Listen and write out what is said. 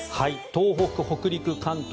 東北、北陸、関東